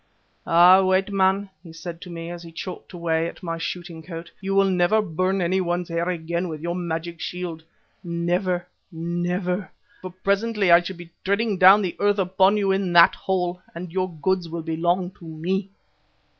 "Ah! white man," he said to me as he chalked away at my shooting coat, "you will never burn anyone's hair again with your magic shield. Never, never, for presently I shall be treading down the earth upon you in that hole, and your goods will belong to me."